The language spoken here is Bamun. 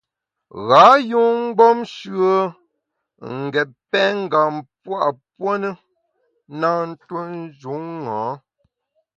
Ghâ yun mgbom shùe n’ ngét pèngam pua puo ne, na ntuo njun ṅa.